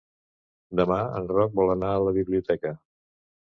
Demà en Roc vol anar a la biblioteca.